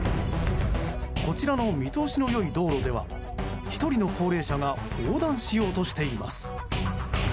こちらの見通しの良い道路では１人の高齢者が横断しようとしています。